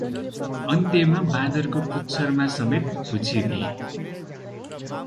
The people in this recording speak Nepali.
अन्त्यमा बाँदरको पुच्छरमा समेत पुछिदिए ।